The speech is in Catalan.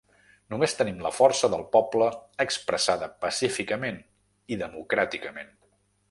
Només tenim la força del poble expressada pacíficament i democràticament.